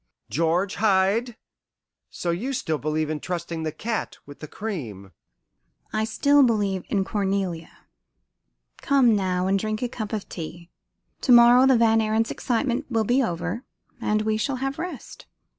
"George Hyde! So you still believe in trusting the cat with the cream?" "I still believe in Cornelia. Come, now, and drink a cup of tea. To morrow the Van Ariens' excitement will be over, and we shall have rest."